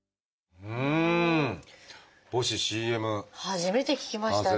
初めて聞きましたね。